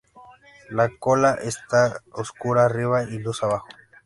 La cola está oscura arriba y luz abajo.